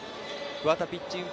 桑田ピッチング